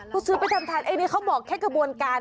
ต้องซื้อไปทำทานอันนี้เขาบอกแค่กระบวนการ